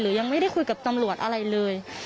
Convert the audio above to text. ยังไม่ได้คุยกับตำรวจอะไรเลย